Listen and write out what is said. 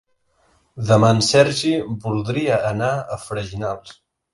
Demà en Sergi voldria anar a Freginals.